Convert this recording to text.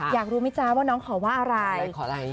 อยากรู้มั้ยจ๊ะว่าน้องขอว่าอะไร